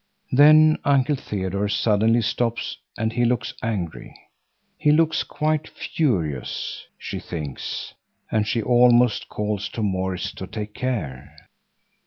Then Uncle Theodore suddenly stops and he looks angry. He looks quite furious, she thinks, and she almost calls to Maurits to take care.